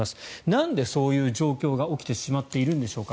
なんで、そういう状況が起きてしまっているんでしょう。